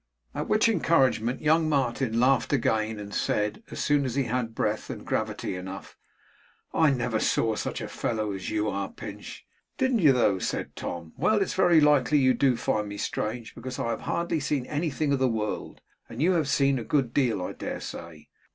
At which encouragement young Martin laughed again; and said, as soon as he had breath and gravity enough: 'I never saw such a fellow as you are, Pinch.' 'Didn't you though?' said Tom. 'Well, it's very likely you do find me strange, because I have hardly seen anything of the world, and you have seen a good deal I dare say?